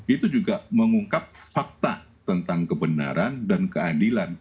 itu juga mengungkap fakta tentang kebenaran dan keadilan